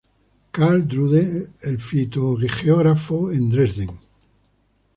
Carl Drude, el fitogeógrafo, en Dresden.